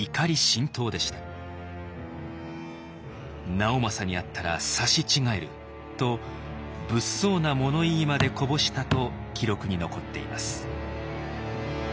「直政に会ったら刺し違える」と物騒な物言いまでこぼしたと記録に残っています。